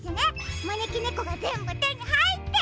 まねきねこがぜんぶてにはいって！